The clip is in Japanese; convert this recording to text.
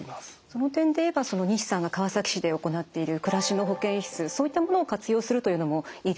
その点で言えば西さんが川崎市で行っている暮らしの保健室そういったものを活用するというのもいいですね。